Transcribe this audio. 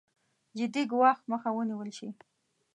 جدي ګواښ مخه ونېول شي.